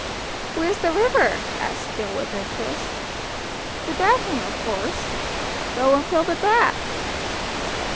"Where's the river?" asked Jill with interest. "The bath room, of course. Go and fill the bath."